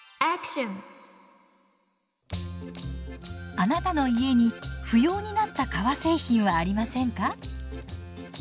あなたの家に不要になった革製品はありませんか？